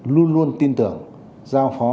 luôn luôn tin tưởng giao phó